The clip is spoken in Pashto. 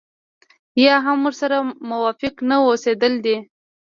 يا هم ورسره موافق نه اوسېدل دي.